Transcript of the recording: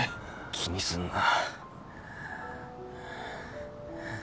気にすんな。